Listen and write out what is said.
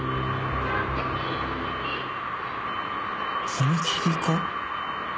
踏切か？